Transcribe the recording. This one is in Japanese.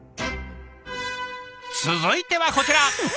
続いてはこちら。